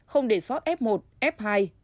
không để soát f một f hai